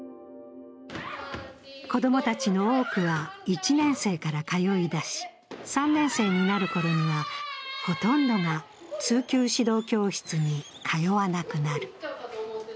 子供たちの多くは１年生から通い出し、３年生になるころからほとんどが通級指導教室に通わなくなる。